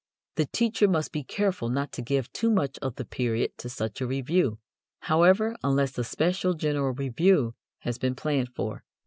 The teacher must be careful not to give too much of the period to such a review, however, unless a special general review has been planned for.